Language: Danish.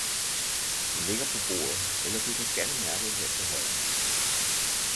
Den ligger på bordet, eller du kan scanne mærket her til højre.